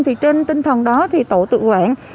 thì trên tinh thần đó thì tổ tự hỏi